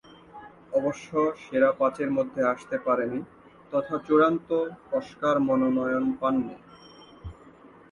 অবশ্য সেরা পাঁচের মধ্যে আসতে পারেনি তথা চূড়ান্ত অস্কার মনোনয়ন পায়নি।